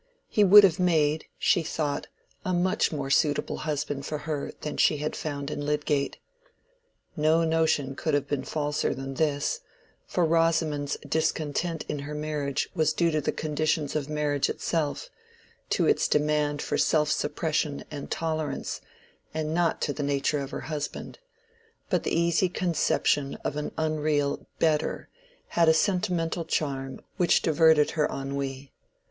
He would have made, she thought, a much more suitable husband for her than she had found in Lydgate. No notion could have been falser than this, for Rosamond's discontent in her marriage was due to the conditions of marriage itself, to its demand for self suppression and tolerance, and not to the nature of her husband; but the easy conception of an unreal Better had a sentimental charm which diverted her ennui.